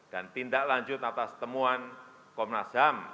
dan tindak lanjut atas temuan komnas ham